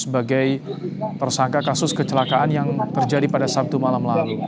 sebagai tersangka kasus kecelakaan yang terjadi pada sabtu malam lalu